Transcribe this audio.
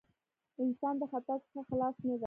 انسان د خطاء څخه خلاص نه دی.